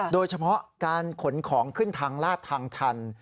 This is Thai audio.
โดยเฉพาะการขนของขึ้นทางลาดทางชัน